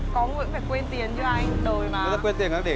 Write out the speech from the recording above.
có người cũng phải quên tiền chứ anh đời mà